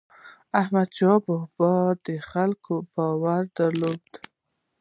احمدشاه بابا د خلکو باور درلود.